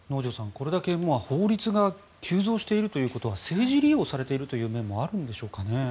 これだけ法律が急増しているということは政治利用されているという面もあるんでしょうかね。